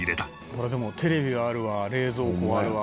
「これでもテレビはあるわ冷蔵庫はあるわ